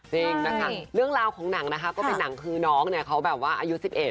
จริงนะคะเรื่องราวของหนังนะคะก็เป็นหนังคือน้องเนี่ยเขาแบบว่าอายุ๑๑